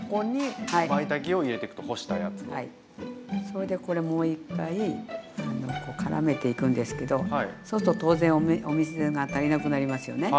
それでこれもう一回からめていくんですけどそうすると当然お水が足りなくなりますよね。